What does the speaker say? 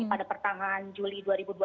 pada pertahanan juli dua ribu dua puluh satu